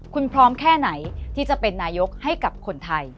คุณพร้อมแค่ไหนที่จะเป็นนายกให้กับคนไทย